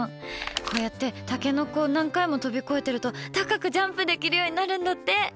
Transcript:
こうやってタケノコを何回も飛び越えてると高くジャンプできるようになるんだって。